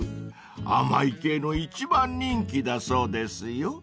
［甘い系の一番人気だそうですよ］